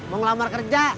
mau ngelamar kerja